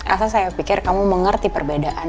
rasa saya pikir kamu mengerti perbedaan